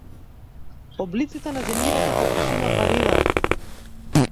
Облиците на земјината површина варираат.